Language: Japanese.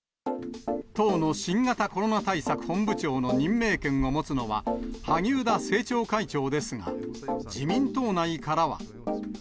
党の新型コロナ対策本部長の任命権を持つのは萩生田政調会長ですが、自民党内からは。